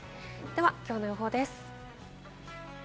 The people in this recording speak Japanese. きょうの予報です。